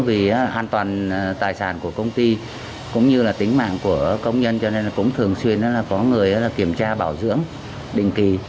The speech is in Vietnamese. vì an toàn tài sản của công ty cũng như là tính mạng của công nhân cho nên cũng thường xuyên là có người kiểm tra bảo dưỡng định kỳ